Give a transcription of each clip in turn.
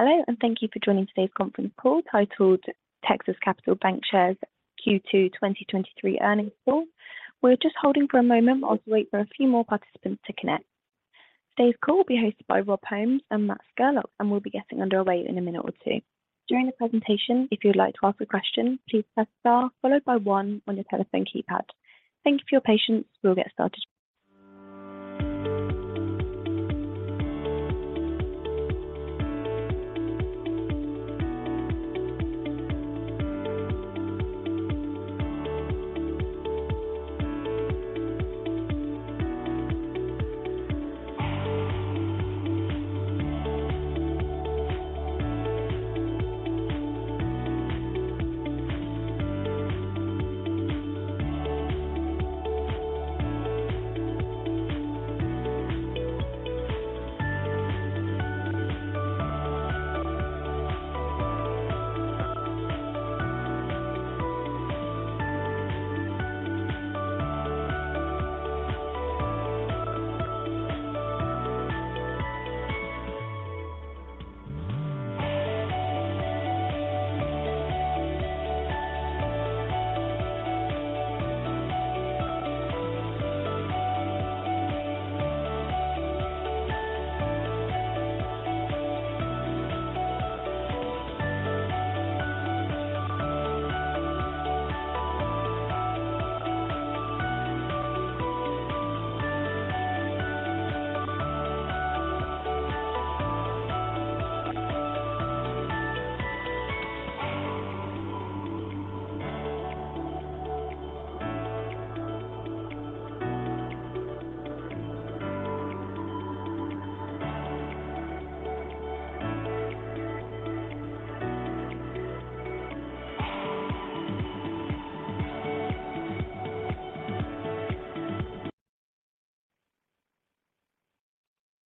Hello, and thank you for joining today's conference call, titled Texas Capital Bancshares Q2 2023 Earnings Call. We're just holding for a moment while we wait for a few more participants to connect. Today's call will be hosted by Rob Holmes and Matt Scurlock, and we'll be getting underway in a minute or two. During the presentation, if you'd like to ask a question, please press Star followed by one on your telephone keypad. Thank you for your patience. We'll get started.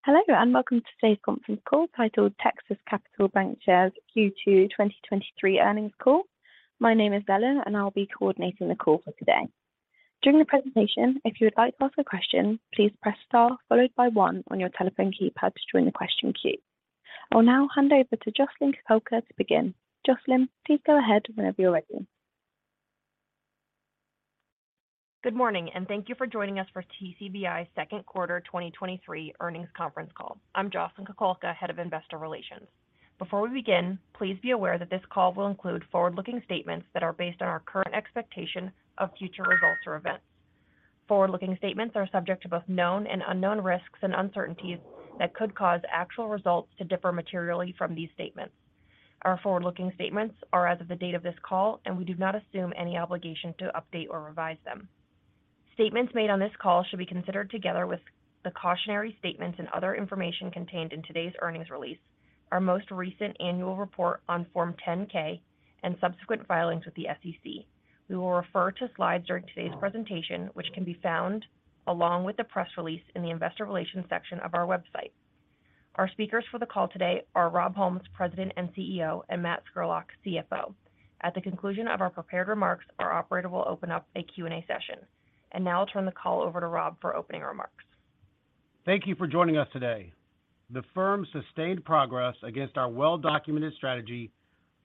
Hello, and welcome to today's conference call, titled Texas Capital Bancshares Q2 2023 Earnings Call. My name is Bella, and I'll be coordinating the call for today. During the presentation, if you would like to ask a question, please press Star followed by one on your telephone keypad to join the question queue. I'll now hand over to Jocelyn Kukulka to begin. Jocelyn, please go ahead whenever you're ready. Good morning, thank you for joining us for TCBI's Q2 2023 earnings conference call. I'm Jocelyn Kukulka, Head of Investor Relations. Before we begin, please be aware that this call will include forward-looking statements that are based on our current expectation of future results or events. Forward-looking statements are subject to both known and unknown risks and uncertainties that could cause actual results to differ materially from these statements. Our forward-looking statements are as of the date of this call, and we do not assume any obligation to update or revise them. Statements made on this call should be considered together with the cautionary statements and other information contained in today's earnings release, our most recent annual report on Form 10-K and subsequent filings with the SEC. We will refer to slides during today's presentation, which can be found along with the press release in the Investor Relations section of our website. Our speakers for the call today are Rob Holmes, President and CEO, and Matt Scurlock, CFO. At the conclusion of our prepared remarks, our operator will open up a Q&A session. Now I'll turn the call over to Rob for opening remarks. Thank you for joining us today. The firm's sustained progress against our well-documented strategy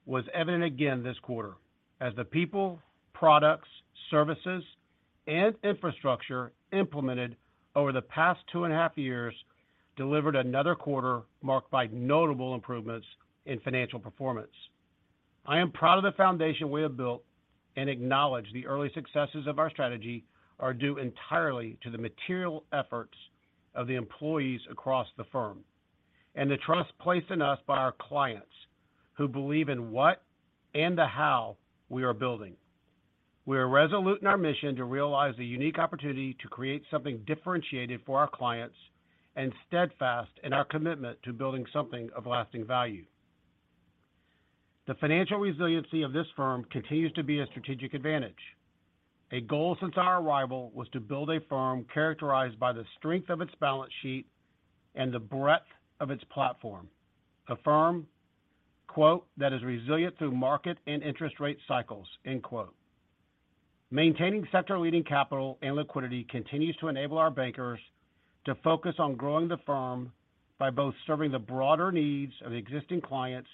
was evident again this quarter, as the people, products, services, and infrastructure implemented over the past two and a half years delivered another quarter marked by notable improvements in financial performance. I am proud of the foundation we have built and acknowledge the early successes of our strategy are due entirely to the material efforts of the employees across the firm and the trust placed in us by our clients, who believe in what and the how we are building. We are resolute in our mission to realize the unique opportunity to create something differentiated for our clients and steadfast in our commitment to building something of lasting value. The financial resiliency of this firm continues to be a strategic advantage. A goal since our arrival was to build a firm characterized by the strength of its balance sheet and the breadth of its platform. A firm, quote, "that is resilient through market and interest rate cycles," end quote. Maintaining sector-leading capital and liquidity continues to enable our bankers to focus on growing the firm by both serving the broader needs of existing clients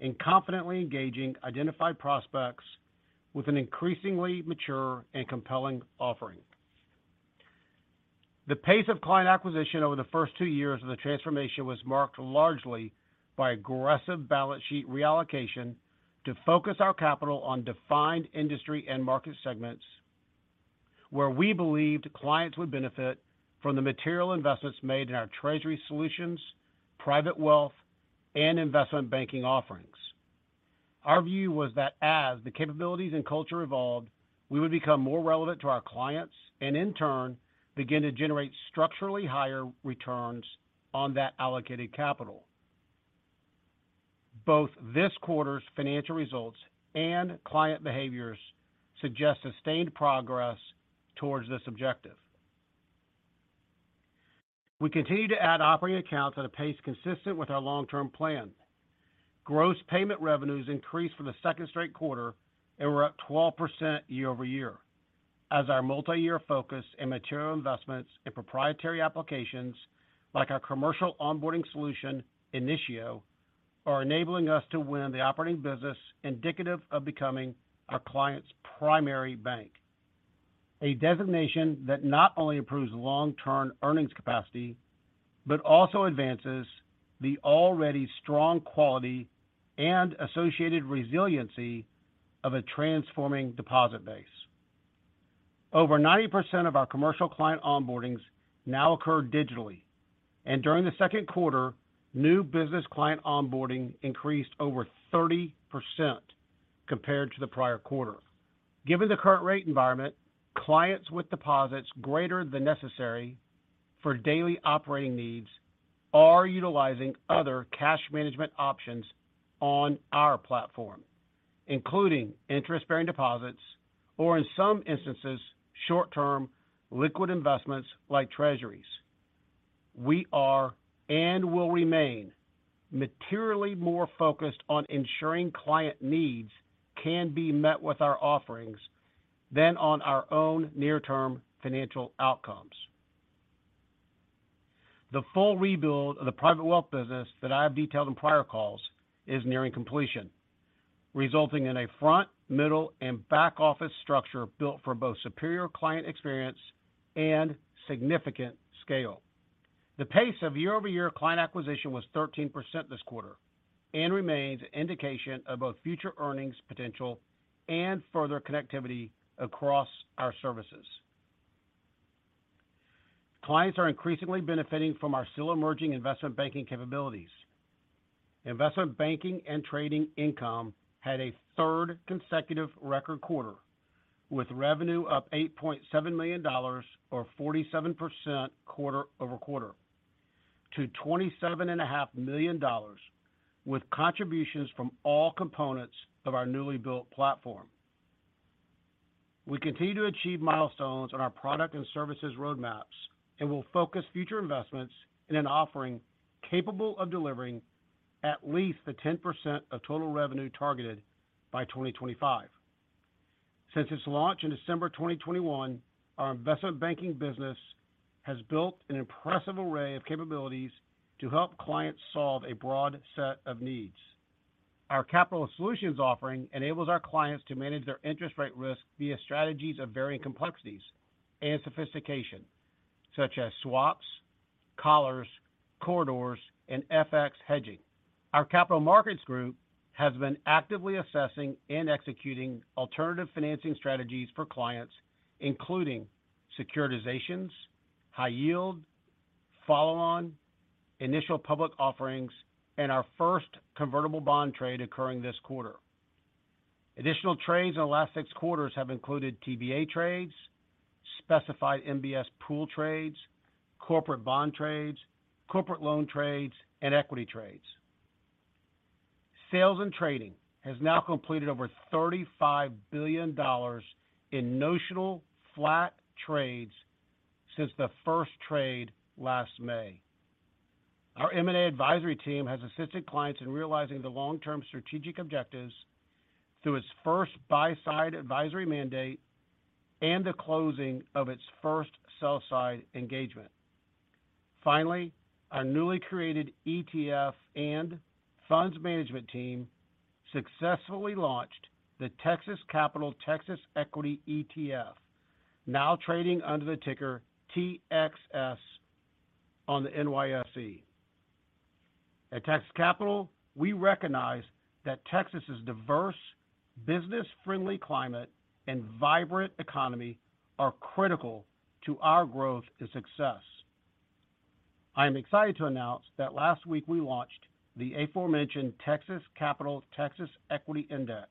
and confidently engaging identified prospects with an increasingly mature and compelling offering. The pace of client acquisition over the first 2 years of the transformation was marked largely by aggressive balance sheet reallocation to focus our capital on defined industry and market segments, where we believed clients would benefit from the material investments made in our treasury solutions, private wealth, and investment banking offerings. Our view was that as the capabilities and culture evolved, we would become more relevant to our clients and, in turn, begin to generate structurally higher returns on that allocated capital. Both this quarter's financial results and client behaviors suggest sustained progress towards this objective. We continue to add operating accounts at a pace consistent with our long-term plan. Gross payment revenues increased for the second straight quarter and were up 12% year-over-year, as our multi-year focus and material investments in proprietary applications, like our commercial onboarding solution, Initio, are enabling us to win the operating business indicative of becoming our client's primary bank. A designation that not only improves long-term earnings capacity, but also advances the already strong quality and associated resiliency of a transforming deposit base. Over 90% of our commercial client onboardings now occur digitally. During the Q2, new business client onboarding increased over 30% compared to the prior quarter. Given the current rate environment, clients with deposits greater than necessary for daily operating needs are utilizing other cash management options on our platform, including interest-bearing deposits, or in some instances, short-term liquid investments like treasuries. We are, and will remain, materially more focused on ensuring client needs can be met with our offerings than on our own near-term financial outcomes. The full rebuild of the private wealth business that I have detailed in prior calls is nearing completion, resulting in a front, middle, and back office structure built for both superior client experience and significant scale. The pace of year-over-year client acquisition was 13% this quarter, remains an indication of both future earnings potential and further connectivity across our services. Clients are increasingly benefiting from our still emerging investment banking capabilities. Investment banking and trading income had a third consecutive record quarter, with revenue up $8.7 million or 47% quarter-over-quarter to 27 and a half million dollars, with contributions from all components of our newly built platform. We continue to achieve milestones on our product and services roadmaps, will focus future investments in an offering capable of delivering at least the 10% of total revenue targeted by 2025. Since its launch in December 2021, our investment banking business has built an impressive array of capabilities to help clients solve a broad set of needs. Our capital solutions offering enables our clients to manage their interest rate risk via strategies of varying complexities and sophistication, such as swaps, collars, corridors, and FX hedging. Our capital markets group has been actively assessing and executing alternative financing strategies for clients, including securitizations, high yield, follow-on, initial public offerings, and our first convertible bond trade occurring this quarter. Additional trades in the last six quarters have included TBA trades, specified MBS pool trades, corporate bond trades, corporate loan trades, and equity trades. Sales and trading has now completed over $35 billion in notional flat trades since the first trade last May. Our M&A advisory team has assisted clients in realizing the long-term strategic objectives through its first buy-side advisory mandate and the closing of its first sell-side engagement. Finally, our newly created ETF and funds management team successfully launched the Texas Capital Texas Equity ETF, now trading under the ticker TXS on the NYSE. At Texas Capital, we recognize that Texas's diverse, business-friendly climate and vibrant economy are critical to our growth and success. I am excited to announce that last week we launched the aforementioned Texas Capital Texas Equity Index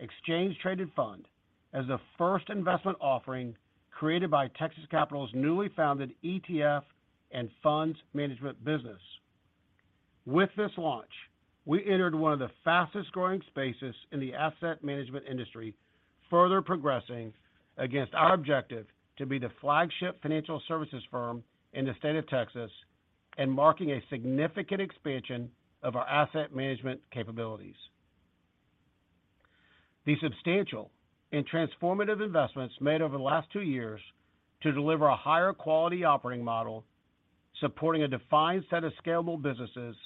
Exchange Traded Fund as the first investment offering created by Texas Capital's newly founded ETF and funds management business. With this launch, we entered one of the fastest growing spaces in the asset management industry, further progressing against our objective to be the flagship financial services firm in the state of Texas, and marking a significant expansion of our asset management capabilities. The substantial and transformative investments made over the last two years to deliver a higher quality operating model, supporting a defined set of scalable businesses,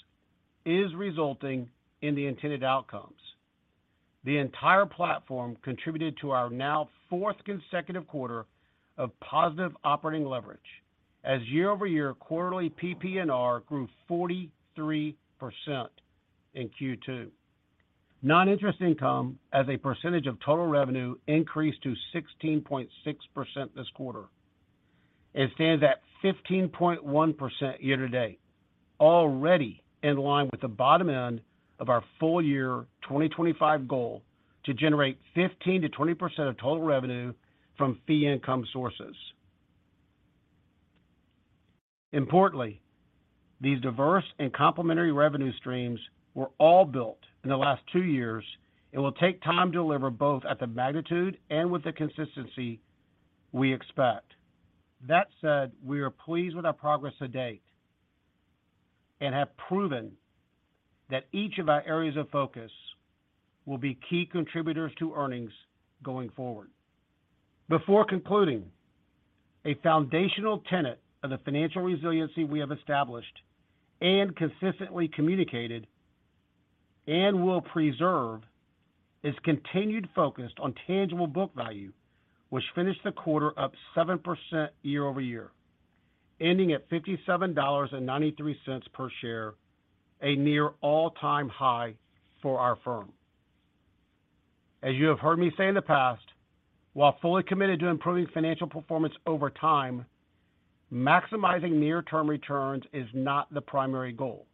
is resulting in the intended outcomes. The entire platform contributed to our now fourth consecutive quarter of positive operating leverage as year-over-year quarterly PPNR grew 43% in Q2. Non-interest income, as a percentage of total revenue, increased to 16.6% this quarter and stands at 15.1% year to date, already in line with the bottom end of our full year 2025 goal to generate 15%-20% of total revenue from fee income sources. Importantly, these diverse and complementary revenue streams were all built in the last two years and will take time to deliver both at the magnitude and with the consistency we expect. That said, we are pleased with our progress to date. and have proven that each of our areas of focus will be key contributors to earnings going forward. Before concluding, a foundational tenet of the financial resiliency we have established and consistently communicated and will preserve, is continued focus on tangible book value, which finished the quarter up 7% year-over-year, ending at $57.93 per share, a near all-time high for our firm. As you have heard me say in the past, while fully committed to improving financial performance over time, maximizing near-term returns is not the primary goal.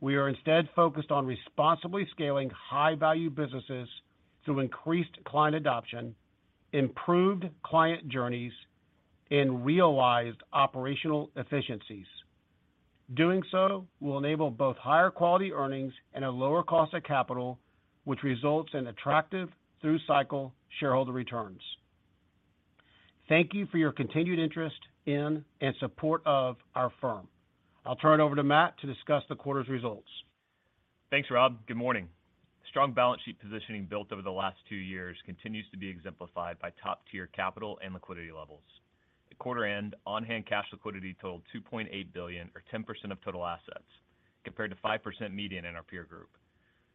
We are instead focused on responsibly scaling high-value businesses through increased client adoption, improved client journeys, and realized operational efficiencies. Doing so will enable both higher quality earnings and a lower cost of capital, which results in attractive through-cycle shareholder returns. Thank you for your continued interest in and support of our firm. I'll turn it over to Matt to discuss the quarter's results. Thanks, Rob. Good morning. Strong balance sheet positioning built over the last two years continues to be exemplified by top-tier capital and liquidity levels. At quarter end, on-hand cash liquidity totaled $2.8 billion or 10% of total assets, compared to 5% median in our peer group.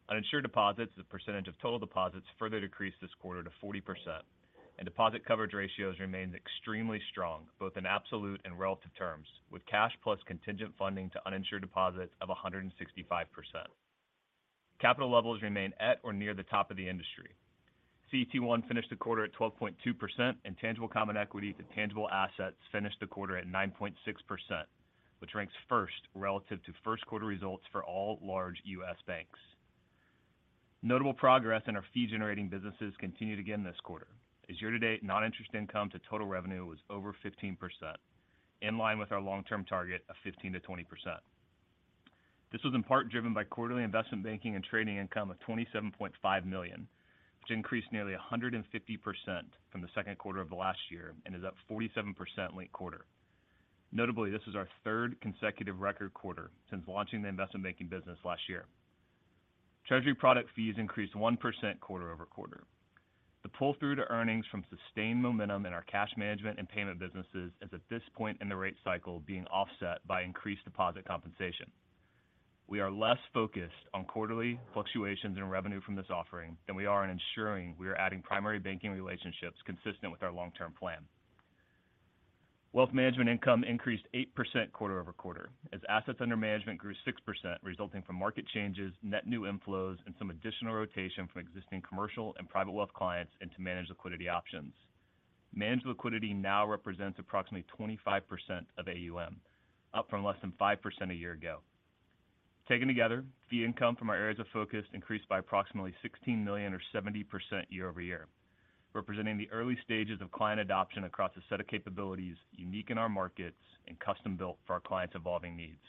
Uninsured deposits as a percentage of total deposits further decreased this quarter to 40%, and deposit coverage ratios remained extremely strong, both in absolute and relative terms, with cash plus contingent funding to uninsured deposits of 165%. Capital levels remain at or near the top of the industry. CET1 finished the quarter at 12.2%, and tangible common equity to tangible assets finished the quarter at 9.6%, which ranks first relative to Q1 results for all large U.S. banks. Notable progress in our fee-generating businesses continued again this quarter, as year-to-date non-interest income to total revenue was over 15%, in line with our long-term target of 15%-20%. This was in part driven by quarterly investment banking and trading income of $27.5 million, which increased nearly 150% from the Q2 of last year and is up 47% linked quarter. Notably, this is our third consecutive record quarter since launching the investment banking business last year. Treasury product fees increased 1% quarter-over-quarter. The pull-through to earnings from sustained momentum in our cash management and payment businesses is, at this point in the rate cycle, being offset by increased deposit compensation. We are less focused on quarterly fluctuations in revenue from this offering than we are in ensuring we are adding primary banking relationships consistent with our long-term plan. Wealth management income increased 8% quarter-over-quarter as assets under management grew 6%, resulting from market changes, net new inflows, and some additional rotation from existing commercial and private wealth clients into managed liquidity options. Managed liquidity now represents approximately 25% of AUM, up from less than 5% a year ago. Taken together, fee income from our areas of focus increased by approximately $16 million or 70% year-over-year, representing the early stages of client adoption across a set of capabilities unique in our markets and custom-built for our clients' evolving needs.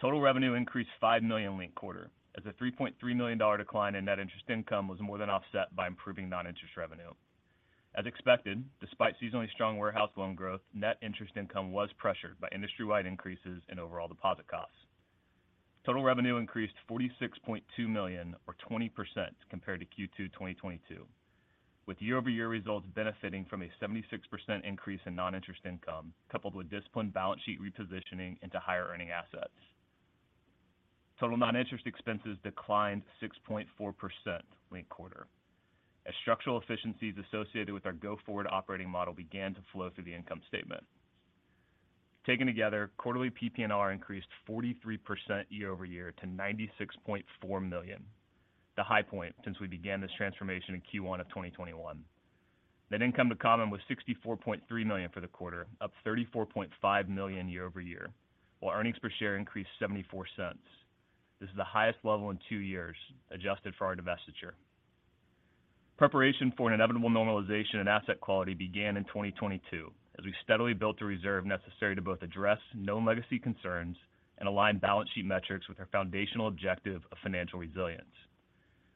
Total revenue increased $5 million linked-quarter as a $3.3 million decline in net interest income was more than offset by improving non-interest revenue. As expected, despite seasonally strong warehouse loan growth, net interest income was pressured by industry-wide increases in overall deposit costs. Total revenue increased $46.2 million, or 20% compared to Q2 2022, with year-over-year results benefiting from a 76% increase in non-interest income, coupled with disciplined balance sheet repositioning into higher-earning assets. Total non-interest expenses declined 6.4% linked-quarter, as structural efficiencies associated with our go-forward operating model began to flow through the income statement. Taken together, quarterly PPNR increased 43% year-over-year to $96.4 million, the high point since we began this transformation in Q1 of 2021. Net income to common was $64.3 million for the quarter, up $34.5 million year-over-year, while earnings per share increased $0.74. This is the highest level in two years, adjusted for our divestiture. Preparation for an inevitable normalization in asset quality began in 2022, as we steadily built a reserve necessary to both address known legacy concerns and align balance sheet metrics with our foundational objective of financial resilience.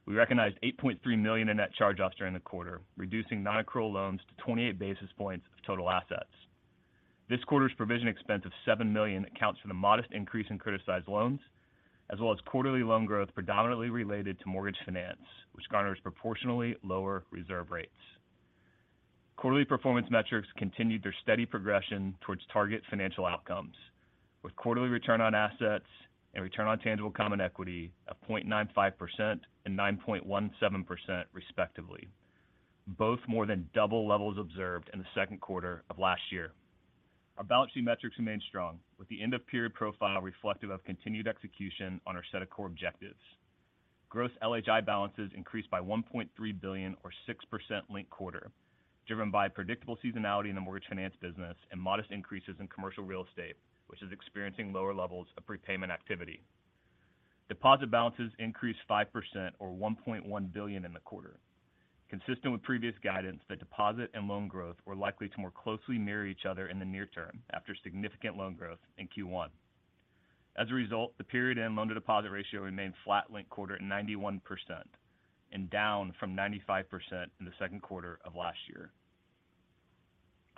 We recognized $8.3 million in net charge-offs during the quarter, reducing nonaccrual loans to 28 basis points of total assets. This quarter's provision expense of $7 million accounts for the modest increase in criticized loans, as well as quarterly loan growth predominantly related to Mortgage Finance, which garners proportionally lower reserve rates. Quarterly performance metrics continued their steady progression towards target financial outcomes, with quarterly return on assets and return on tangible common equity of 0.95% and 9.17%, respectively, both more than double levels observed in the Q2 of last year. Our balance sheet metrics remained strong, with the end of period profile reflective of continued execution on our set of core objectives. Gross LHI balances increased by $1.3 billion or 6% linked quarter, driven by predictable seasonality in the mortgage finance business and modest increases in commercial real estate, which is experiencing lower levels of prepayment activity. Deposit balances increased 5% or $1.1 billion in the quarter. Consistent with previous guidance, the deposit and loan growth were likely to more closely mirror each other in the near term after significant loan growth in Q1. As a result, the period-end loan-to-deposit ratio remained flat linked quarter at 91% and down from 95% in the Q2 of last year.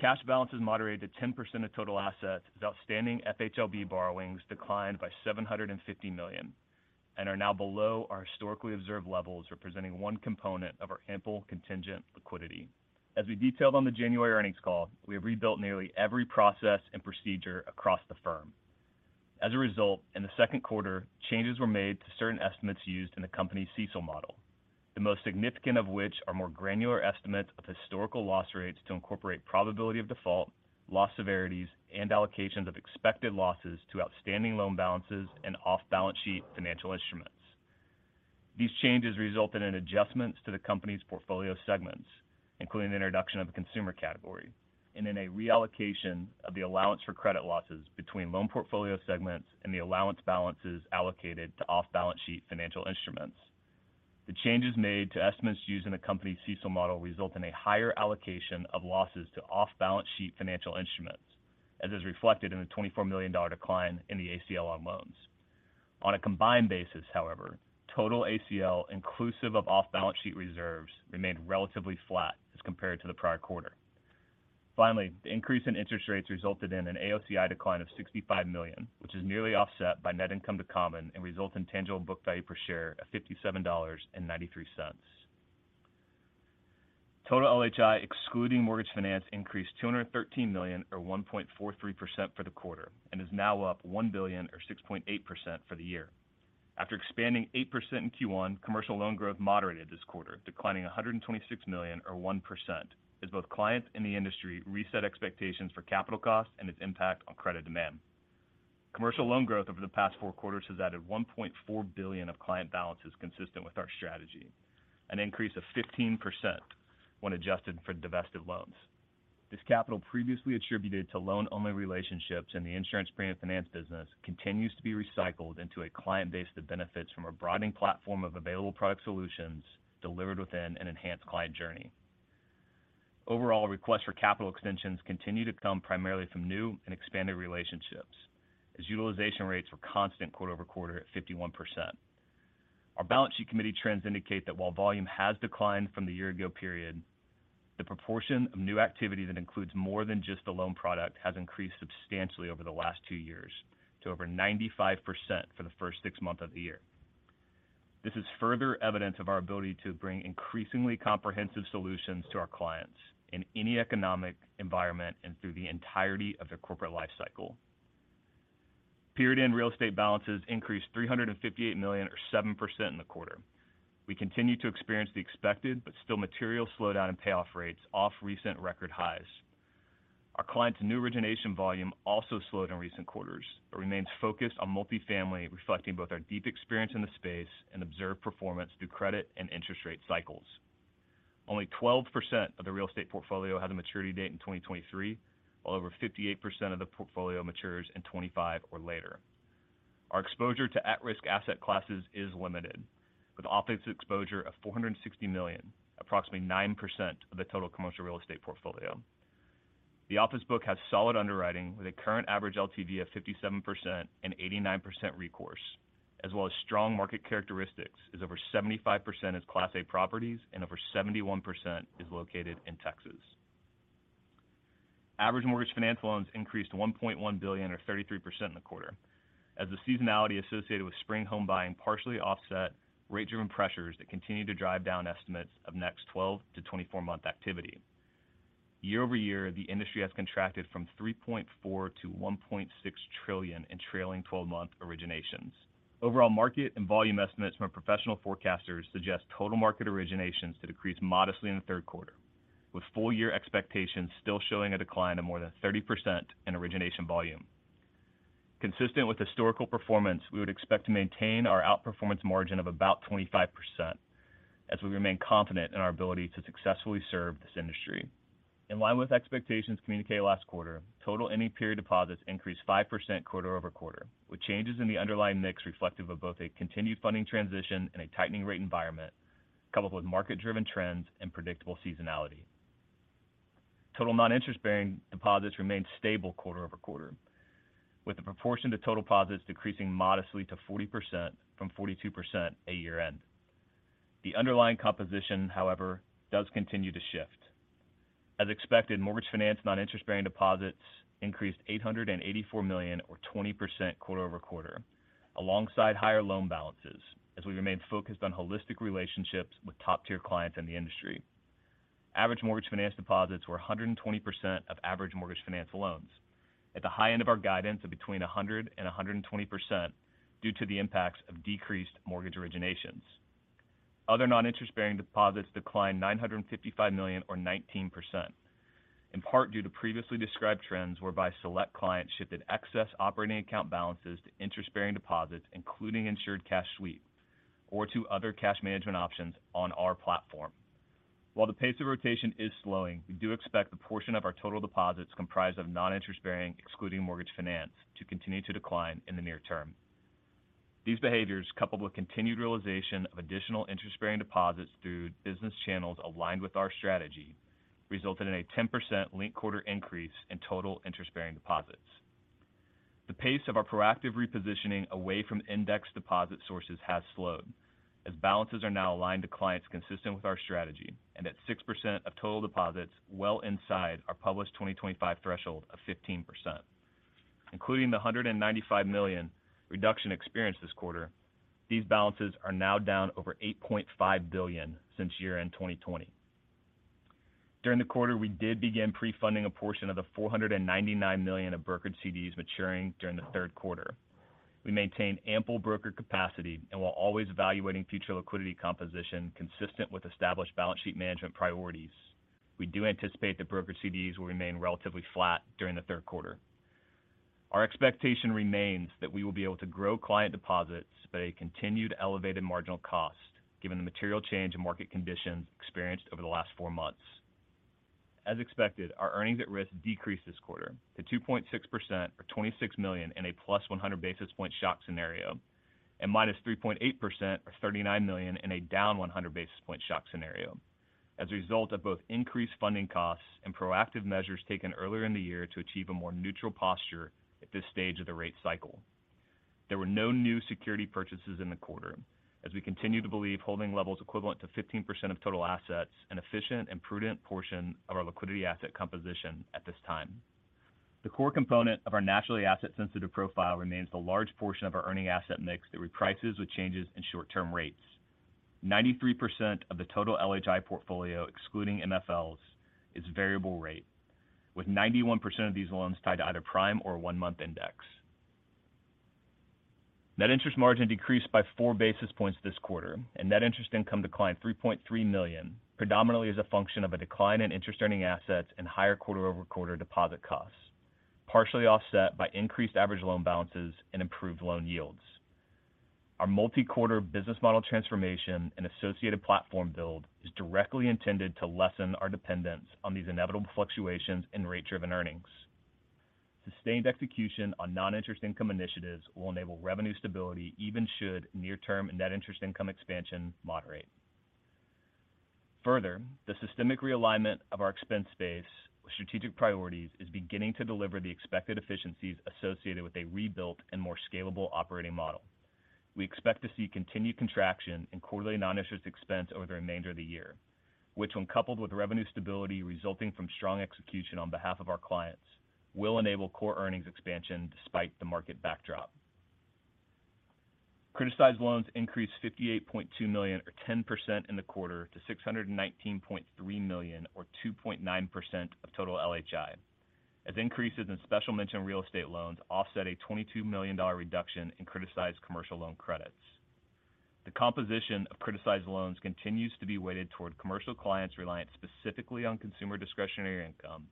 Cash balances moderated to 10% of total assets, as outstanding FHLB borrowings declined by $750 million, and are now below our historically observed levels, representing one component of our ample contingent liquidity. As we detailed on the January earnings call, we have rebuilt nearly every process and procedure across the firm. As a result, in the Q2, changes were made to certain estimates used in the company's CECL model. The most significant of which are more granular estimates of historical loss rates to incorporate probability of default, loss severities, and allocations of expected losses to outstanding loan balances and off-balance sheet financial instruments. These changes resulted in adjustments to the company's portfolio segments, including the introduction of a consumer category, and in a reallocation of the allowance for credit losses between loan portfolio segments and the allowance balances allocated to off-balance sheet financial instruments. The changes made to estimates used in a company's CECL model result in a higher allocation of losses to off-balance sheet financial instruments, as is reflected in the $24 million decline in the ACL on loans. On a combined basis, however, total ACL, inclusive of off-balance sheet reserves, remained relatively flat as compared to the prior quarter. Finally, the increase in interest rates resulted in an AOCI decline of $65 million, which is nearly offset by net income to common and results in tangible book value per share of $57.93. Total LHI, excluding mortgage finance, increased $213 million, or 1.43% for the quarter, and is now up $1 billion or 6.8% for the year. After expanding 8% in Q1, commercial loan growth moderated this quarter, declining $126 million or 1%, as both clients in the industry reset expectations for capital costs and its impact on credit demand. Commercial loan growth over the past four quarters has added $1.4 billion of client balances consistent with our strategy, an increase of 15% when adjusted for divested loans. This capital, previously attributed to loan-only relationships in the insurance premium finance business, continues to be recycled into a client base that benefits from a broadening platform of available product solutions delivered within an enhanced client journey. Overall, requests for capital extensions continue to come primarily from new and expanded relationships, as utilization rates were constant quarter-over-quarter at 51%. Our balance sheet committee trends indicate that while volume has declined from the year ago period, the proportion of new activity that includes more than just the loan product has increased substantially over the last two years to over 95% for the first six months of the year. This is further evidence of our ability to bring increasingly comprehensive solutions to our clients in any economic environment and through the entirety of their corporate life cycle. Period-end real estate balances increased $358 million or 7% in the quarter. We continue to experience the expected, but still material slowdown in payoff rates off recent record highs. Our client's new origination volume also slowed in recent quarters, but remains focused on multifamily, reflecting both our deep experience in the space and observed performance through credit and interest rate cycles. Only 12% of the real estate portfolio had a maturity date in 2023, while over 58% of the portfolio matures in 2025 or later. Our exposure to at-risk asset classes is limited, with office exposure of $460 million, approximately 9% of the total commercial real estate portfolio. The office book has solid underwriting, with a current average LTV of 57% and 89% recourse, as well as strong market characteristics, as over 75% is Class A properties and over 71% is located in Texas. Average mortgage finance loans increased to $1.1 billion or 33% in the quarter, as the seasonality associated with spring home buying partially offset rate-driven pressures that continued to drive down estimates of next 12-24 month activity. Year-over-year, the industry has contracted from $3.4 trillion-$1.6 trillion in trailing 12-month originations. Overall market and volume estimates from professional forecasters suggest total market originations to decrease modestly in the Q3, with full year expectations still showing a decline of more than 30% in origination volume. Consistent with historical performance, we would expect to maintain our outperformance margin of about 25%, as we remain confident in our ability to successfully serve this industry. In line with expectations communicated last quarter, total ending period deposits increased 5% quarter-over-quarter, with changes in the underlying mix reflective of both a continued funding transition and a tightening rate environment, coupled with market-driven trends and predictable seasonality. Total non-interest-bearing deposits remained stable quarter-over-quarter, with the proportion to total deposits decreasing modestly to 40% from 42% at year-end. The underlying composition, however, does continue to shift. As expected, mortgage finance non-interest-bearing deposits increased $884 million or 20% quarter-over-quarter, alongside higher loan balances, as we remained focused on holistic relationships with top-tier clients in the industry. Average mortgage finance deposits were 120% of average mortgage finance loans at the high end of our guidance of between 100% and 120% due to the impacts of decreased mortgage originations. Other non-interest-bearing deposits declined $955 million or 19%, in part due to previously described trends whereby select clients shifted excess operating account balances to interest-bearing deposits, including Insured Cash Sweep or to other cash management options on our platform. While the pace of rotation is slowing, we do expect the portion of our total deposits comprised of non-interest bearing, excluding Mortgage Finance, to continue to decline in the near term. These behaviors, coupled with continued realization of additional interest-bearing deposits through business channels aligned with our strategy, resulted in a 10% linked-quarter increase in total interest-bearing deposits. The pace of our proactive repositioning away from index deposit sources has slowed, as balances are now aligned to clients consistent with our strategy, and at 6% of total deposits well inside our published 2025 threshold of 15%. Including the $195 million reduction experience this quarter, these balances are now down over $8.5 billion since year-end 2020. During the quarter, we did begin pre-funding a portion of the $499 million of brokered CDs maturing during the Q3. We maintained ample broker capacity, and while always evaluating future liquidity composition consistent with established balance sheet management priorities, we do anticipate that broker CDs will remain relatively flat during the Q3. Our expectation remains that we will be able to grow client deposits at a continued elevated marginal cost, given the material change in market conditions experienced over the last four months. As expected, our earnings at risk decreased this quarter to 2.6% or $26 million in a +100 basis point shock scenario, and -3.8% or $39 million in a down 100 basis point shock scenario, as a result of both increased funding costs and proactive measures taken earlier in the year to achieve a more neutral posture at this stage of the rate cycle. There were no new security purchases in the quarter as we continue to believe holding levels equivalent to 15% of total assets, an efficient and prudent portion of our liquidity asset composition at this time. The core component of our naturally asset-sensitive profile remains the large portion of our earning asset mix that reprices with changes in short-term rates. 93% of the total LHI portfolio, excluding MFLs, is variable rate, with 91% of these loans tied to either prime or one-month index. Net interest margin decreased by 4 basis points this quarter. Net interest income declined $3.3 million, predominantly as a function of a decline in interest-earning assets and higher quarter-over-quarter deposit costs, partially offset by increased average loan balances and improved loan yields. Our multi-quarter business model transformation and associated platform build is directly intended to lessen our dependence on these inevitable fluctuations in rate-driven earnings. Sustained execution on non-interest income initiatives will enable revenue stability, even should near-term net interest income expansion moderate. The systemic realignment of our expense base with strategic priorities is beginning to deliver the expected efficiencies associated with a rebuilt and more scalable operating model. We expect to see continued contraction in quarterly non-interest expense over the remainder of the year, which, when coupled with revenue stability resulting from strong execution on behalf of our clients, will enable core earnings expansion despite the market backdrop. Criticized loans increased $58.2 million, or 10% in the quarter, to $619.3 million, or 2.9% of total LHI, as increases in special mention real estate loans offset a $22 million reduction in criticized commercial loan credits. The composition of criticized loans continues to be weighted toward commercial clients reliant specifically on consumer discretionary income,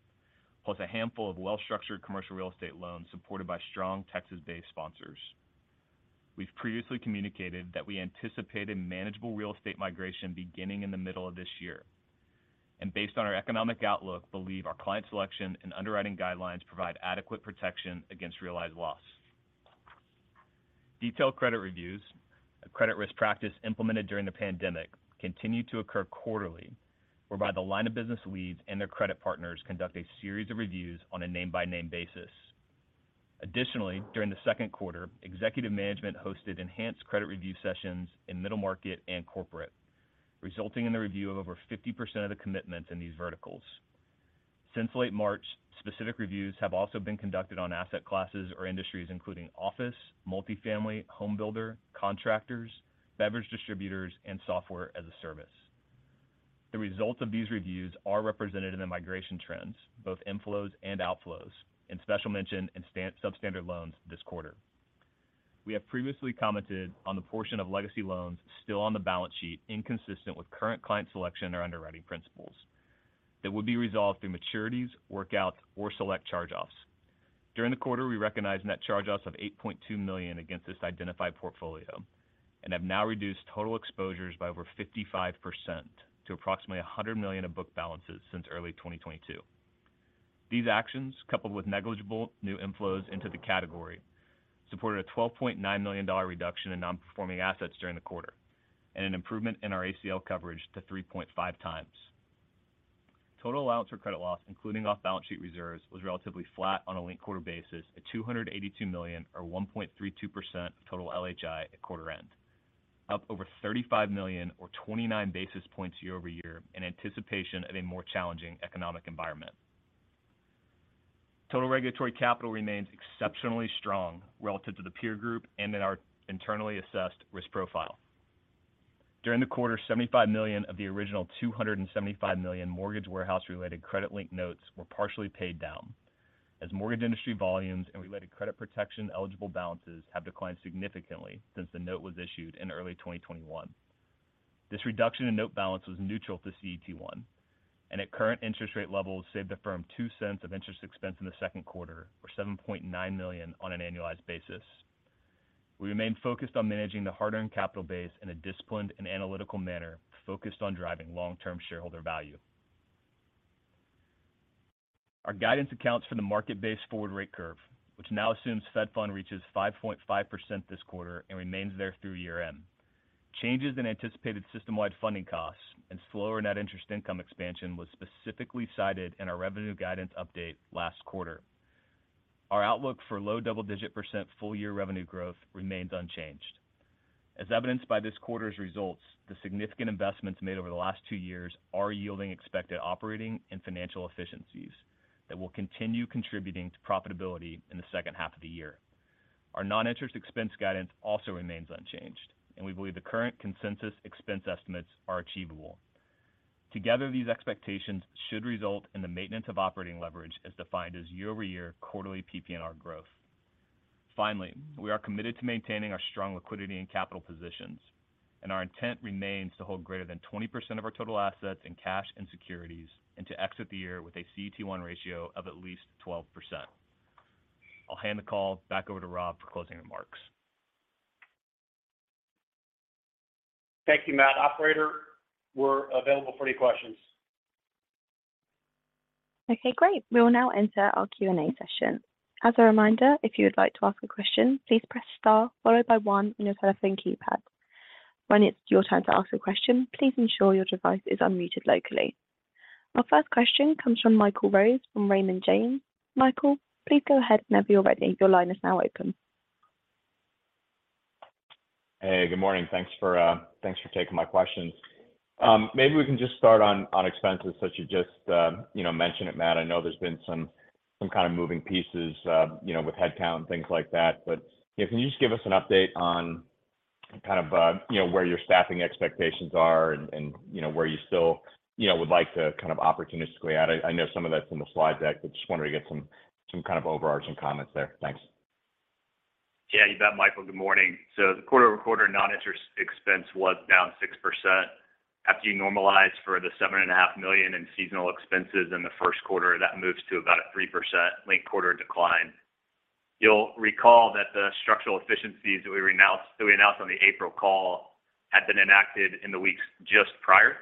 plus a handful of well-structured commercial real estate loans supported by strong Texas-based sponsors. We've previously communicated that we anticipate a manageable real estate migration beginning in the middle of this year, and based on our economic outlook, believe our client selection and underwriting guidelines provide adequate protection against realized loss. Detailed credit reviews, a credit risk practice implemented during the pandemic, continue to occur quarterly, whereby the line of business leads and their credit partners conduct a series of reviews on a name-by-name basis. Additionally, during the Q2, executive management hosted enhanced credit review sessions in middle market and corporate, resulting in the review of over 50% of the commitments in these verticals. Since late March, specific reviews have also been conducted on asset classes or industries, including office, multifamily, home builder, contractors, beverage distributors, and Software as a Service. The results of these reviews are represented in the migration trends, both inflows and outflows, in special mention and substandard loans this quarter. We have previously commented on the portion of legacy loans still on the balance sheet, inconsistent with current client selection or underwriting principles that will be resolved through maturities, workouts, or select charge-offs. During the quarter, we recognized net charge-offs of $8.2 million against this identified portfolio and have now reduced total exposures by over 55% to approximately $100 million of book balances since early 2022. These actions, coupled with negligible new inflows into the category, supported a $12.9 million reduction in non-performing assets during the quarter and an improvement in our ACL coverage to 3.5 times. Total allowance for credit loss, including off-balance sheet reserves, was relatively flat on a linked quarter basis at $282 million, or 1.32% of total LHI at quarter end, up over $35 million or 29 basis points year-over-year, in anticipation of a more challenging economic environment. Total regulatory capital remains exceptionally strong relative to the peer group and in our internally assessed risk profile. During the quarter, $75 million of the original $275 million mortgage warehouse-related credit-linked notes were partially paid down, as mortgage industry volumes and related credit protection eligible balances have declined significantly since the note was issued in early 2021. This reduction in note balance was neutral to CET1, and at current interest rate levels, saved the firm $0.02 of interest expense in the Q2, or $7.9 million on an annualized basis. We remain focused on managing the hard-earned capital base in a disciplined and analytical manner, focused on driving long-term shareholder value. Our guidance accounts for the market-based forward rate curve, which now assumes Fed Funds reaches 5.5% this quarter and remains there through year-end. changes in anticipated system-wide funding costs and slower net interest income expansion was specifically cited in our revenue guidance update last quarter. Our outlook for low double-digit % full-year revenue growth remains unchanged. As evidenced by this quarter's results, the significant investments made over the last two years are yielding expected operating and financial efficiencies that will continue contributing to profitability in the second half of the year. Our non-interest expense guidance also remains unchanged, we believe the current consensus expense estimates are achievable. Together, these expectations should result in the maintenance of operating leverage, as defined as year-over-year quarterly PPNR growth. Finally, we are committed to maintaining our strong liquidity and capital positions, our intent remains to hold greater than 20% of our total assets in cash and securities and to exit the year with a CET1 ratio of at least 12%. I'll hand the call back over to Rob for closing remarks. Thank you, Matt. Operator, we're available for any questions. Okay, great. We will now enter our Q&A session. As a reminder, if you would like to ask a question, please press star followed by one on your telephone keypad. When it's your turn to ask a question, please ensure your device is unmuted locally. Our first question comes from Michael Rose from Raymond James. Michael, please go ahead whenever you're ready. Your line is now open. Hey, good morning. Thanks for taking my questions. Maybe we can just start on expenses, since you just, you know, mentioned it, Matt. I know there's been some kind of moving pieces, you know, with headcount and things like that. Yeah, can you just give us an update on kind of, you know, where your staffing expectations are and, you know, where you still, you know, would like to kind of opportunistically add? I know some of that's in the slide deck, but just wanted to get some kind of overarching comments there. Thanks. Yeah, you bet, Michael. Good morning. The quarter-over-quarter non-interest expense was down 6%. After you normalize for the seven and a half million in seasonal expenses in the Q1, that moves to about a 3% linked quarter decline. You'll recall that the structural efficiencies that we announced on the April call had been enacted in the weeks just prior,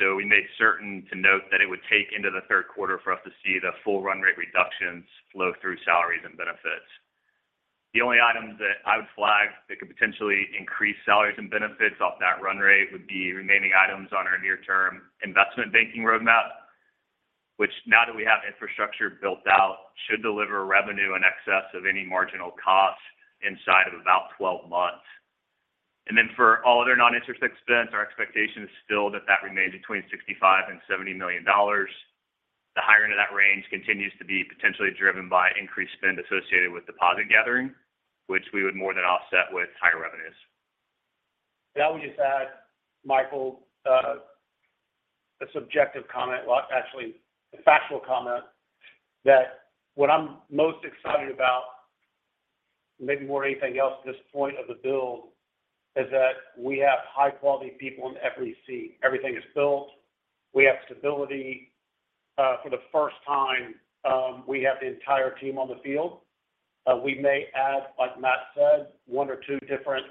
we made certain to note that it would take into the Q3 for us to see the full run rate reductions flow through salaries and benefits. The only items that I would flag that could potentially increase salaries and benefits off that run rate would be remaining items on our near-term investment banking roadmap, which now that we have infrastructure built out, should deliver revenue in excess of any marginal costs inside of about 12 months. For all other non-interest expense, our expectation is still that remains between $65 million and $70 million. The higher end of that range continues to be potentially driven by increased spend associated with deposit gathering, which we would more than offset with higher revenues. I would just add, Michael, a subjective comment. Well, actually, a factual comment, that what I'm most excited about, maybe more than anything else at this point of the build, is that we have high-quality people in every seat. Everything is built. We have stability. For the first time, we have the entire team on the field. We may add, like Matt said, one or two different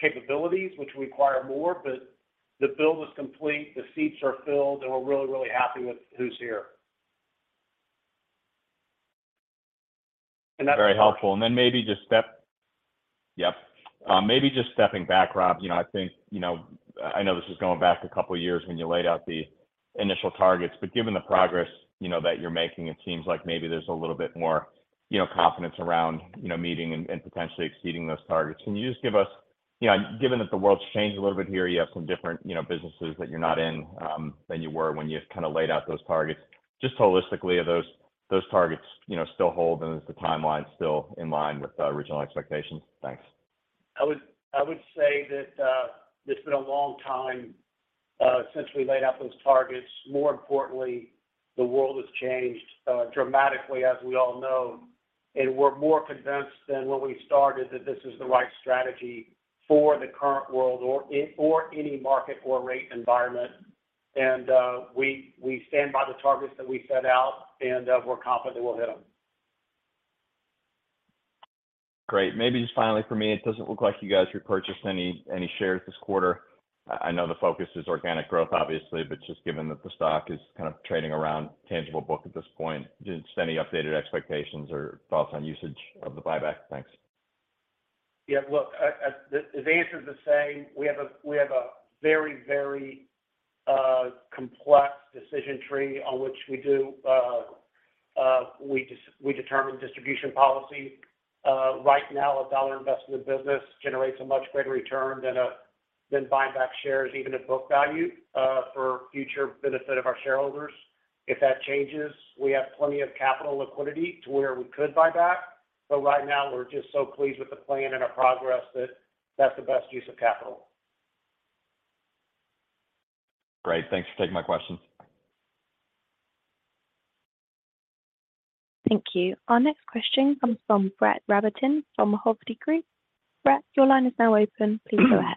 capabilities, which require more, but the build is complete, the seats are filled, and we're really, really happy with who's here. Very helpful. Maybe just stepping back, Rob, you know, I think, you know, I know this is going back a couple of years when you laid out the initial targets, but given the progress, you know, that you're making, it seems like maybe there's a little bit more, you know, confidence around, you know, meeting and potentially exceeding those targets. Can you just give us, you know, given that the world's changed a little bit here, you have some different, you know, businesses that you're not in than you were when you kind of laid out those targets. Just holistically, are those targets, you know, still hold, and is the timeline still in line with the original expectations? Thanks. I would say that, it's been a long time, since we laid out those targets. More importantly, the world has changed dramatically, as we all know, and we're more convinced than when we started that this is the right strategy for the current world or a, or any market or rate environment. We stand by the targets that we set out, and we're confident we'll hit them. Great. Maybe just finally for me, it doesn't look like you guys repurchased any shares this quarter. I know the focus is organic growth, obviously, but just given that the stock is kind of trading around tangible book at this point, just any updated expectations or thoughts on usage of the buyback? Thanks. Look, the answer is the same. We have a very, very complex decision tree on which we determine distribution policy. Right now, $1 invested in business generates a much greater return than buying back shares, even at book value, for future benefit of our shareholders. If that changes, we have plenty of capital liquidity to where we could buy back. Right now, we're just so pleased with the plan and our progress that that's the best use of capital. Great. Thanks for taking my questions. Thank you. Our next question comes from Brett Rabatin from Hovde Group. Brett, your line is now open. Please go ahead.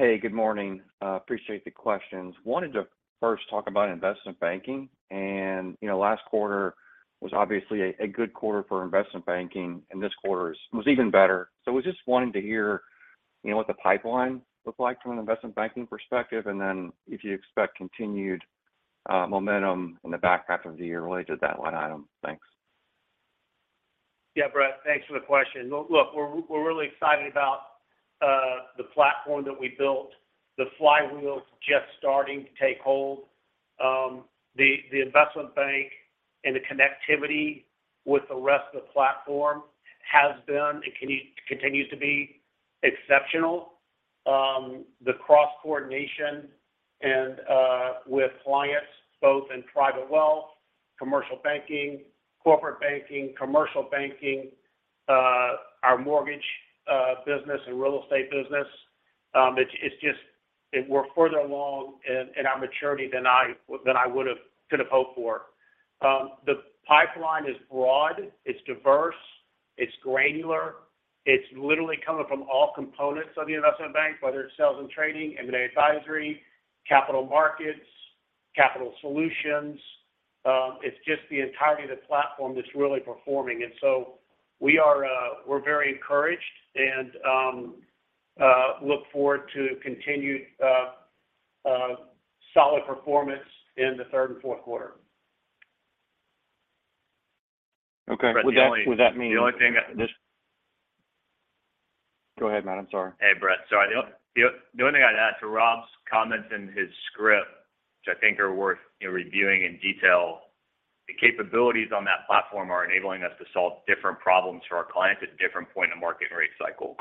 Hey, good morning. Appreciate the questions. Wanted to first talk about investment banking, you know, last quarter was obviously a good quarter for investment banking, this quarter was even better. Was just wanting to hear, you know, what the pipeline looks like from an investment banking perspective, if you expect continued momentum in the back half of the year related to that one item? Thanks. Yeah, Brett, thanks for the question. We're really excited about the platform that we built. The flywheel is just starting to take hold. The investment bank and the connectivity with the rest of the platform has been and continues to be exceptional. The cross coordination and with clients both in private wealth, commercial banking, corporate banking, commercial banking, our mortgage business and real estate business, it's just we're further along in our maturity than I would've, could have hoped for. The pipeline is broad, it's diverse, it's granular, it's literally coming from all components of the investment bank, whether it's sales and trading, M&A advisory, capital markets, capital solutions. It's just the entirety of the platform that's really performing. We're very encouraged and look forward to continued solid performance in the third and Q4. Okay. Would that mean? The only thing- Go ahead, Matt, I'm sorry. Hey, Brett. Sorry. The only thing I'd add to Rob's comments in his script, which I think are worth, you know, reviewing in detail, the capabilities on that platform are enabling us to solve different problems for our clients at a different point in the market rate cycle.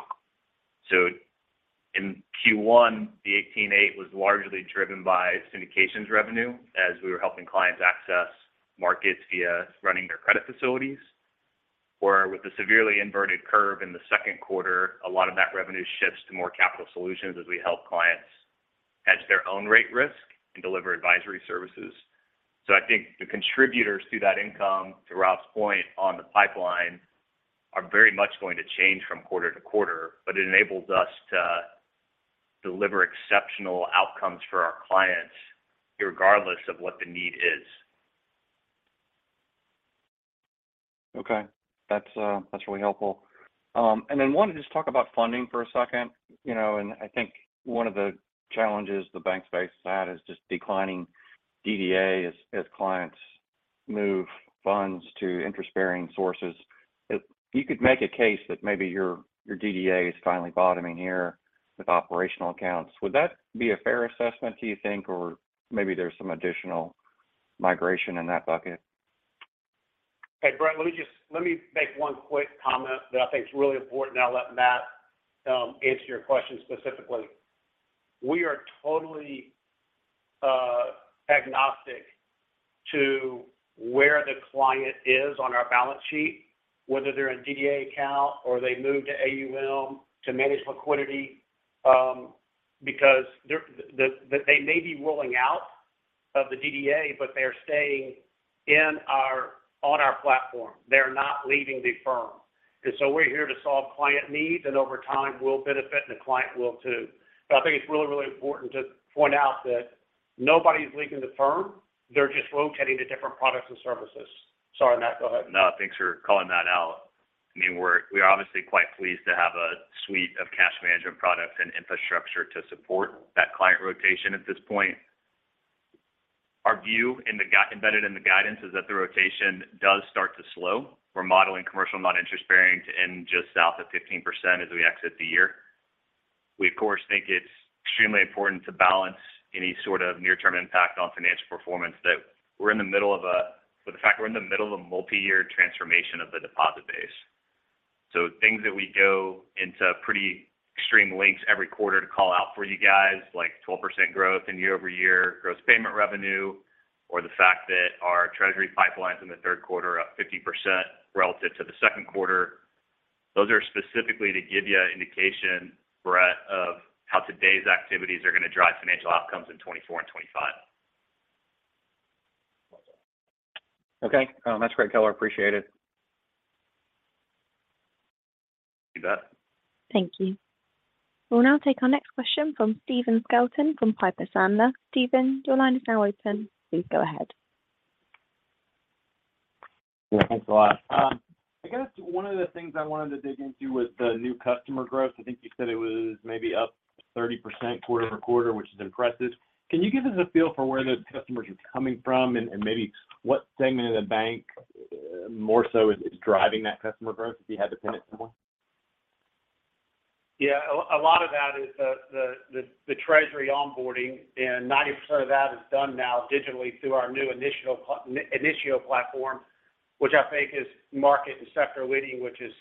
In Q1, the $18.8 was largely driven by syndications revenue, as we were helping clients access markets via running their credit facilities. With the severely inverted curve in the Q2, a lot of that revenue shifts to more capital solutions as we help clients hedge their own rate risk and deliver advisory services. I think the contributors to that income, to Rob's point on the pipeline, are very much going to change from quarter to quarter, but it enables us to deliver exceptional outcomes for our clients, regardless of what the need is. Okay. That's really helpful. Then wanted to just talk about funding for a second. You know, and I think one of the challenges the banks face is just declining DDA as clients move funds to interest bearing sources. If you could make a case that maybe your DDA is finally bottoming here with operational accounts, would that be a fair assessment, do you think, or maybe there's some additional migration in that bucket? Hey, Brett, let me make one quick comment that I think is really important, and I'll let Matt answer your question specifically. We are totally agnostic to where the client is on our balance sheet, whether they're a DDA account or they move to AUM to manage liquidity, because they may be rolling out of the DDA, but they are staying in our, on our platform. They're not leaving the firm. So we're here to solve client needs, and over time, we'll benefit, and the client will too. I think it's really, really important to point out that nobody's leaving the firm, they're just locating to different products and services. Sorry, Matt, go ahead. No, thanks for calling that out. I mean, we're obviously quite pleased to have a suite of cash management products and infrastructure to support that client rotation at this point. Our view embedded in the guidance is that the rotation does start to slow. We're modeling commercial non-interest bearing to end just south of 15% as we exit the year. We, of course, think it's extremely important to balance any sort of near-term impact on financial performance, that we're in the middle of a multi-year transformation of the deposit base. Things that we go into pretty extreme lengths every quarter to call out for you guys, like 12% growth in year-over-year, gross payment revenue, or the fact that our treasury pipelines in the Q3 are up 50% relative to the Q2. Those are specifically to give you an indication, Brett, of how today's activities are going to drive financial outcomes in 2024 and 2025. Okay. that's great, color. I appreciate it. You bet. Thank you. We'll now take our next question from Stephen Scouten, from Piper Sandler. Steven, your line is now open. Please go ahead. Yeah, thanks a lot. I guess one of the things I wanted to dig into was the new customer growth. I think you said it was maybe up 30% quarter-over-quarter, which is impressive. Can you give us a feel for where those customers are coming from and maybe what segment of the bank, more so, is driving that customer growth, if you have the tenants in mind? Yeah. A lot of that is the treasury onboarding, and 90% of that is done now digitally through our new Initio platform, which I think is market and sector leading, which is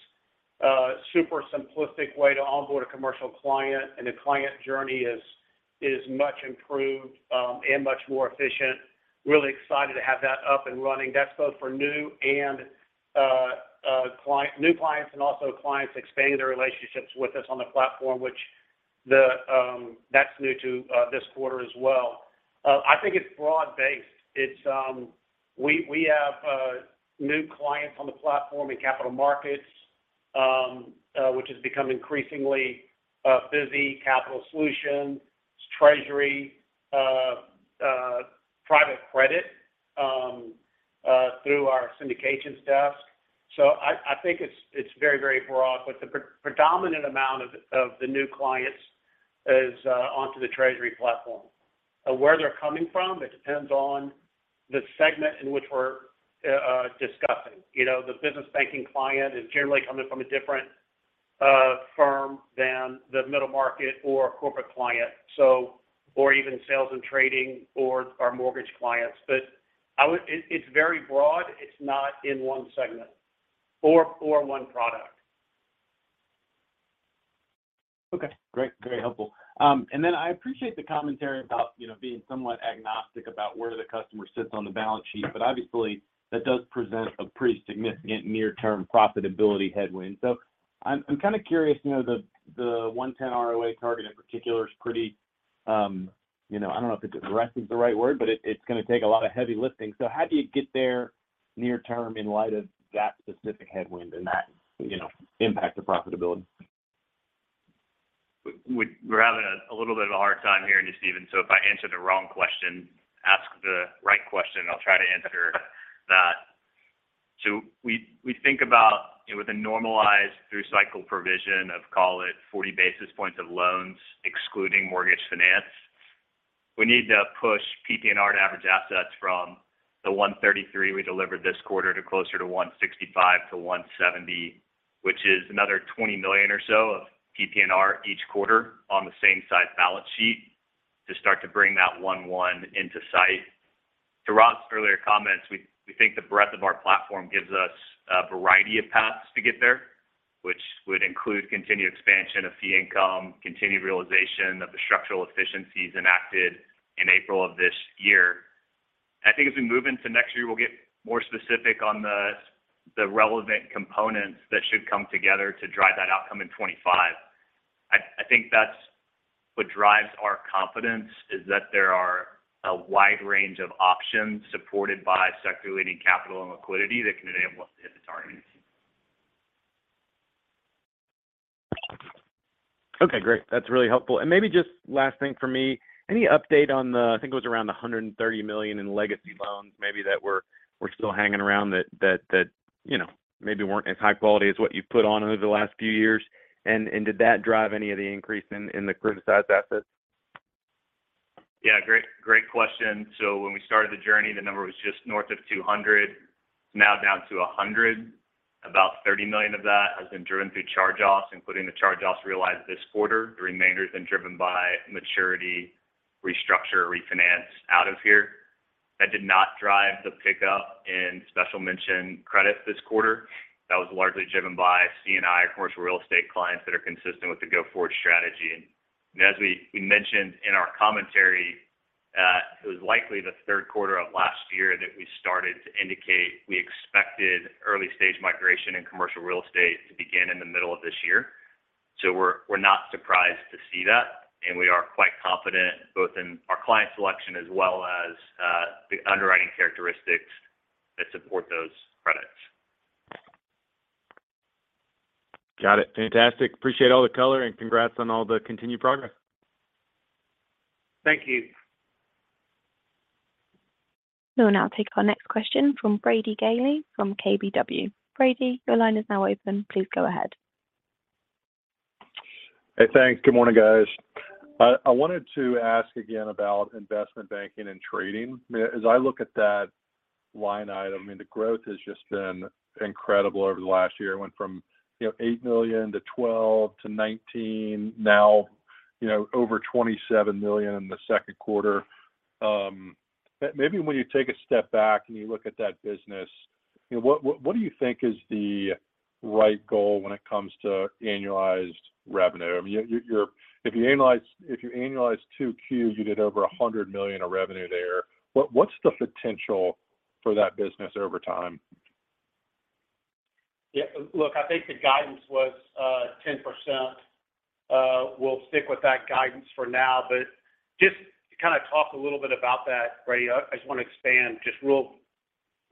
a super simplistic way to onboard a commercial client. The client journey is much improved and much more efficient. Really excited to have that up and running. That's both for new and new clients, and also clients expanding their relationships with us on the platform, which the, that's new to this quarter as well. I think it's broad-based. It's, we have new clients on the platform in capital markets, which has become increasingly busy, capital solutions, treasury, private credit, through our syndications desk.... I think it's very, very broad, but the predominant amount of the new clients is onto the treasury platform. Where they're coming from, it depends on the segment in which we're discussing. You know, the business banking client is generally coming from a different firm than the middle market or corporate client, so, or even sales and trading or our mortgage clients. It's very broad. It's not in one segment or one product. Okay, great. Very helpful. Then I appreciate the commentary about, you know, being somewhat agnostic about where the customer sits on the balance sheet, obviously, that does present a pretty significant near-term profitability headwind. I'm kind of curious, you know, the 110 ROA target in particular is pretty, you know, I don't know if aggressive is the right word, but it's going to take a lot of heavy lifting. How do you get there near term in light of that specific headwind and that, you know, impact to profitability? We're having a little bit of a hard time hearing you, Stephen. If I answer the wrong question, ask the right question, and I'll try to answer that. We think about, you know, with a normalized through cycle provision of, call it, 40 basis points of loans, excluding mortgage finance, we need to push PPNR and average assets from the 133 we delivered this quarter to closer to 165-170, which is another $20 million or so of PPNR each quarter on the same side balance sheet to start to bring that 1.1 into sight. To Rob's earlier comments, we think the breadth of our platform gives us a variety of paths to get there, which would include continued expansion of fee income, continued realization of the structural efficiencies enacted in April of this year. I think as we move into next year, we'll get more specific on the relevant components that should come together to drive that outcome in 2025. I think that's what drives our confidence, is that there are a wide range of options supported by circulating capital and liquidity that can enable us to hit its targets. Okay, great. That's really helpful. Maybe just last thing for me, any update on the, I think it was around $130 million in legacy loans, maybe that were still hanging around that, you know, maybe weren't as high quality as what you've put on over the last few years? Did that drive any of the increase in the criticized assets? Yeah, great question. When we started the journey, the number was just north of 200. It's now down to 100. About $30 million of that has been driven through charge-offs, including the charge-offs realized this quarter. The remainder has been driven by maturity, restructure, refinance out of here. That did not drive the pickup in special mention credit this quarter. That was largely driven by C&I, commercial real estate clients that are consistent with the go-forward strategy. As we mentioned in our commentary, it was likely the Q3 of last year that we started to indicate we expected early stage migration in commercial real estate to begin in the middle of this year. We're not surprised to see that, and we are quite confident both in our client selection as well as the underwriting characteristics that support those credits. Got it. Fantastic. Appreciate all the color, and congrats on all the continued progress. Thank you. We will now take our next question from Brady Gailey from KBW. Brady, your line is now open. Please go ahead. Hey, thanks. Good morning, guys. I wanted to ask again about investment banking and trading. As I look at that line item, the growth has just been incredible over the last year. It went from, you know, $8 million to $12 million to $19 million, now, you know, over $27 million in the Q2. When you take a step back and you look at that business, you know, what do you think is the right goal when it comes to annualized revenue? I mean, you're if you annualize 2 Qs, you did over $100 million of revenue there. What's the potential for that business over time? Look, I think the guidance was 10%. We'll stick with that guidance for now, just to kind of talk a little bit about that, Brady, I just want to expand just real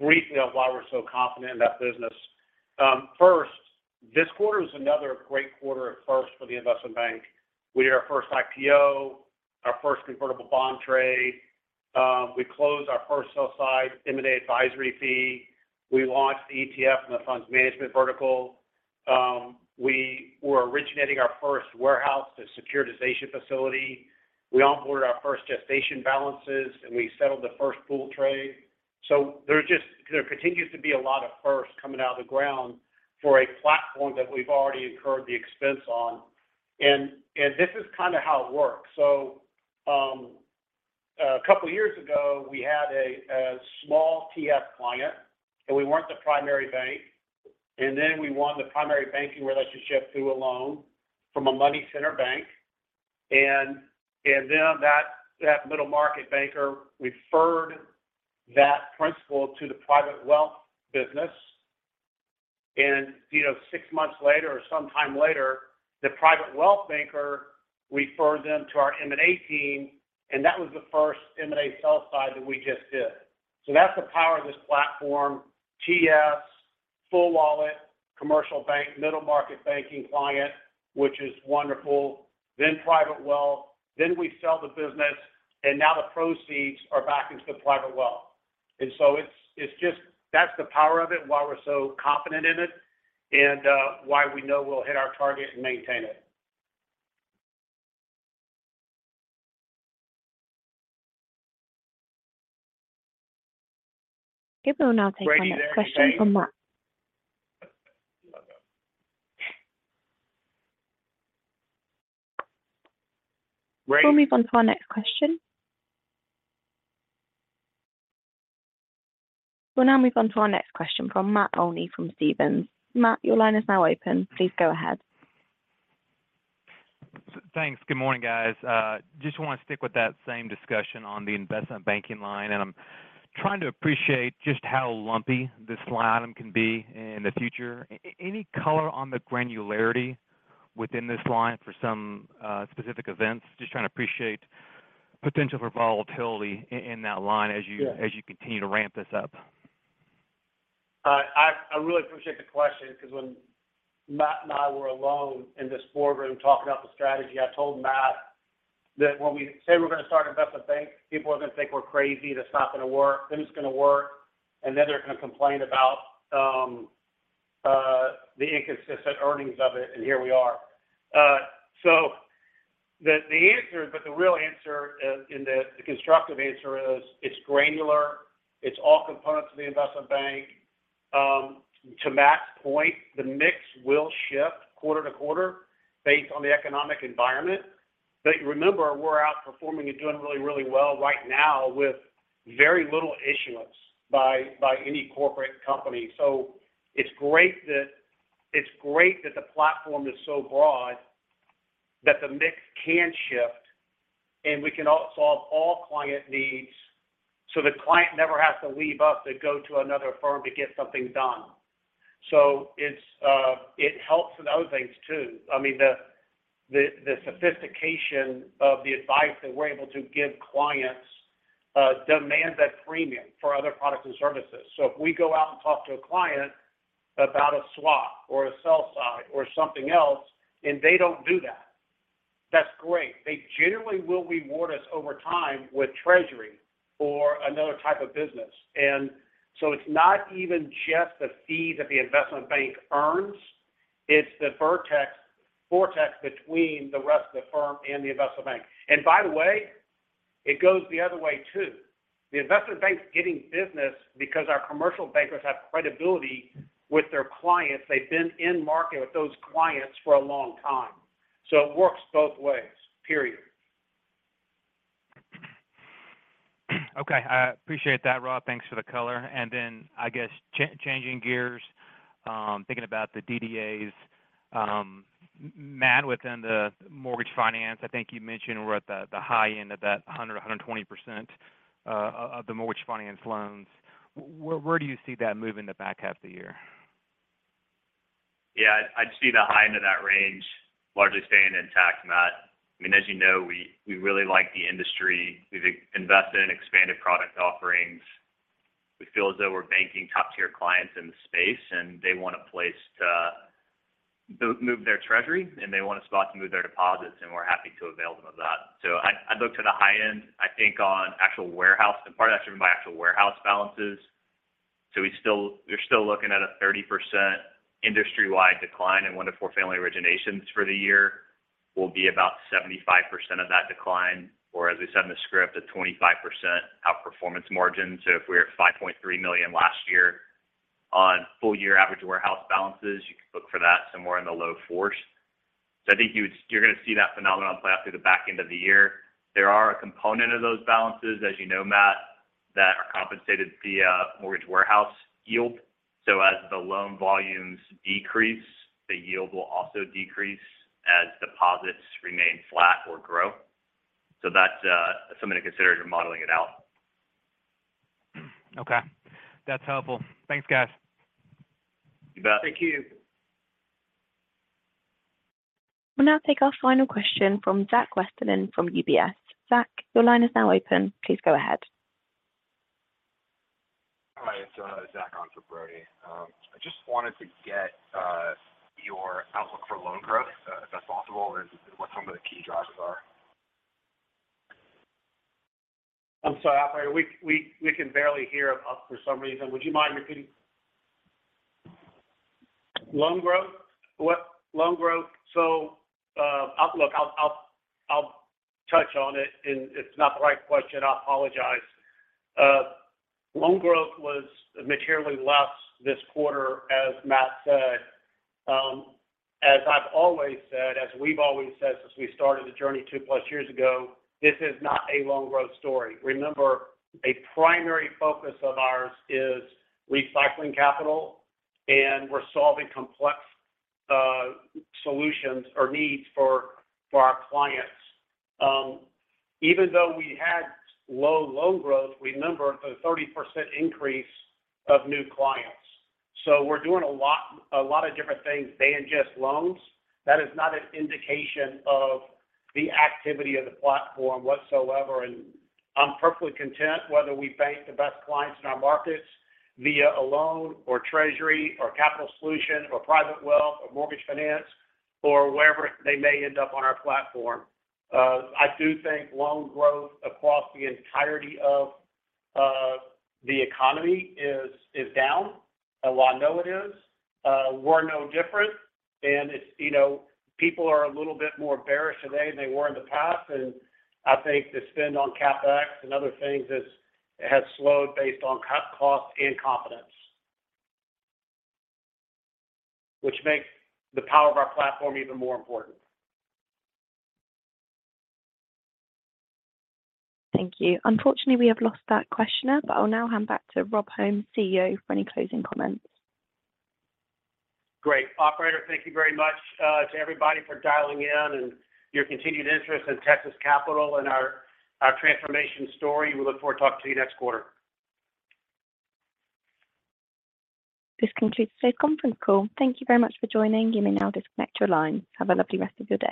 briefly on why we're so confident in that business. First, this quarter is another great quarter at first for the investment bank. We had our first IPO, our first convertible bond trade. We closed our first sell side, M&A advisory fee. We launched the ETF and the funds management vertical. We were originating our first warehouse to securitization facility. We onboarded our first gestation balances, we settled the first pool trade. There continues to be a lot of firsts coming out of the ground for a platform that we've already incurred the expense on. This is kind of how it works. Couple years ago, we had a small TS client, and we weren't the primary bank. Then we won the primary banking relationship through a loan from a money center bank. Then that middle market banker referred that principal to the private wealth business. You know, 6 months later or sometime later, the private wealth banker referred them to our M&A team, and that was the first M&A sell side that we just did. That's the power of this platform, TS, full wallet commercial bank, middle market banking client, which is wonderful. Then private wealth, then we sell the business, and now the proceeds are back into the private wealth. It's just that's the power of it, why we're so confident in it, and why we know we'll hit our target and maintain it. Okay, we'll now take our next question from Matt. Great. We'll now move on to our next question from Matt Olney, from Stephens. Matt, your line is now open. Please go ahead. Thanks. Good morning, guys. Just want to stick with that same discussion on the investment banking line. I'm trying to appreciate just how lumpy this line item can be in the future. Any color on the granularity within this line for some specific events? Just trying to appreciate potential for volatility in that line. Yeah as you continue to ramp this up. I really appreciate the question, because when Matt and I were alone in this boardroom talking about the strategy, I told Matt that when we say we're going to start an investment bank, people are going to think we're crazy. That's not going to work, then it's going to work, and then they're going to complain about the inconsistent earnings of it, and here we are. The answer, but the real answer, and the constructive answer is it's granular, it's all components of the investment bank. To Matt's point, the mix will shift quarter to quarter based on the economic environment. Remember, we're outperforming and doing really, really well right now with very little issuance by any corporate company. It's great that the platform is so broad, that the mix can shift, and we can all solve all client needs, so the client never has to leave us to go to another firm to get something done. It helps in other things, too. I mean, the, the sophistication of the advice that we're able to give clients, demands that premium for other products and services. If we go out and talk to a client about a swap or a sell side or something else, and they don't do that's great. They generally will reward us over time with treasury or another type of business. It's not even just the fee that the investment bank earns, it's the vortex between the rest of the firm and the investment bank. By the way, it goes the other way, too. The investment bank is getting business because our commercial bankers have credibility with their clients. They've been in market with those clients for a long time. It works both ways, period. Okay, I appreciate that, Rob. Thanks for the color. Then, I guess, changing gears, thinking about the DDAs, Matt, within the mortgage finance, I think you mentioned we're at the high end of that 100-120% of the mortgage finance loans. Where do you see that moving in the back half of the year? Yeah, I'd see the high end of that range largely staying intact, Matt. I mean, as you know, we really like the industry. We've invested in expanded product offerings. We feel as though we're banking top-tier clients in the space, and they want a place to move their treasury, and they want a spot to move their deposits, and we're happy to avail them of that. I'd look to the high end, I think on actual warehouse, and part of that's driven by actual warehouse balances. we're still looking at a 30% industry-wide decline in 1-4 family originations for the year, will be about 75% of that decline, or as I said in the script, a 25% outperformance margin. If we're at $5.3 million last year on full year average warehouse balances, you can look for that somewhere in the low 4s. I think you're going to see that phenomenon play out through the back end of the year. There are a component of those balances, as you know, Matt, that are compensated via mortgage warehouse yield. As the loan volumes decrease, the yield will also decrease as deposits remain flat or grow. That's something to consider as you're modeling it out. Okay. That's helpful. Thanks, guys. You bet. Thank you. We'll now take our final question from Zach Westerlind from UBS. Zach, your line is now open. Please go ahead. Hi, it's Zach on for Brady. I just wanted to get your outlook for loan growth, if that's possible, and what some of the key drivers are? I'm sorry, Operator, we can barely hear us for some reason. Would you mind repeating? Loan growth. What? Loan growth. Outlook, I'll touch on it, and it's not the right question, I apologize. Loan growth was materially less this quarter, as Matt Olney said. As I've always said, as we've always said since we started the journey 2+ years ago, this is not a loan growth story. Remember, a primary focus of ours is recycling capital, and we're solving complex solutions or needs for our clients. Even though we had low loan growth, remember the 30% increase of new clients. We're doing a lot of different things than just loans. That is not an indication of the activity of the platform whatsoever, and I'm perfectly content whether we bank the best clients in our markets via a loan or treasury, or capital solution, or private wealth or mortgage finance, or wherever they may end up on our platform. I do think loan growth across the entirety of the economy is down, and well I know it is. We're no different, and it's, you know, people are a little bit more bearish today than they were in the past, and I think the spend on CapEx and other things has slowed based on cut cost and confidence, which makes the power of our platform even more important. Thank you. Unfortunately, we have lost that questioner, but I'll now hand back to Rob Holmes, CEO, for any closing comments. Great. Operator, thank you very much to everybody for dialing in and your continued interest in Texas Capital and our transformation story. We look forward to talking to you next quarter. This concludes today's conference call. Thank you very much for joining. You may now disconnect your line. Have a lovely rest of your day.